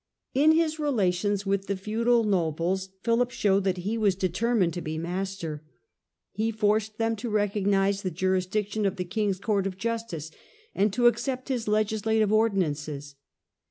In his relations with the feudal nobles Philip showed that he was determined to be master. He forced them to recognize the jurisdiction of the king's court of justice and to accept his legislative ordinances.